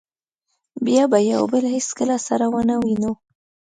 بیا به یو بل هېڅکله سره و نه وینو.